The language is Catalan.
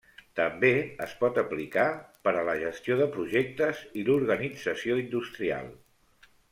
També es pot aplicar per a la gestió de projectes i l'organització industrial.